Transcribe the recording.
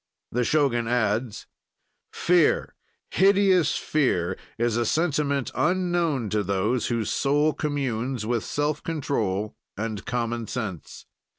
The Shogun adds: "Fear, hideous fear, is a sentiment unknown to those whose soul communes with self control and common sense.